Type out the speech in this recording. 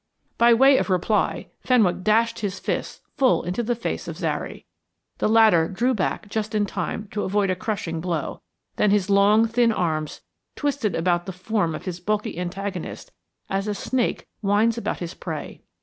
By way of reply, Fenwick dashed his fist full into the face of Zary. The latter drew back just in time to avoid a crushing blow; then his long thin arms twisted about the form of his bulky antagonist as a snake winds about his prey.